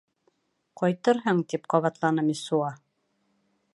— Ҡайтырһың! — тип ҡабатланы Мессуа.